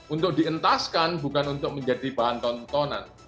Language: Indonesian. untuk dientaskan bukan untuk menjadi bahan tontonan